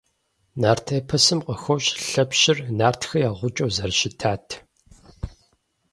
Нарт эпосым къыхощ Лъэпщыр нартхэ я гъукӀэу зэрыщытат.